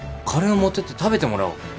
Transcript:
カレーを持ってって食べてもらおう。